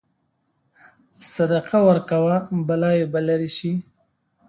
صدقه ورکوه، بلاوې به لرې شي.